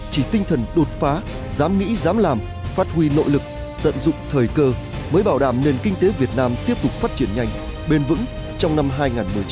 chỉ tinh thần đột phá dám nghĩ dám làm phát huy nội lực tận dụng thời cơ mới bảo đảm nền kinh tế việt nam tiếp tục phát triển nhanh bền vững trong năm hai nghìn một mươi chín cùng những năm tiếp theo